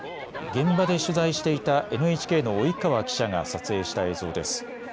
現場で取材していたＮＨＫの及川記者が撮影した映像です。